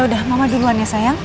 ya udah mama duluan ya sayang